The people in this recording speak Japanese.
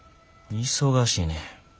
忙しいねん。